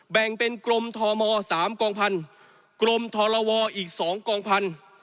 แบ่งเป็นกรมธม๓กองพันธุ์กรมทรวอีก๒กองพันธุ์